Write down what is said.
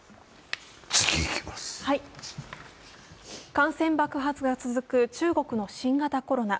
感染爆発が続く中国の新型コロナ。